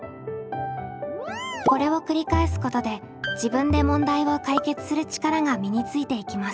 これを繰り返すことで「自分で問題を解決する力」が身についていきます。